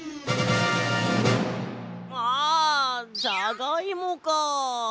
ああじゃがいもか。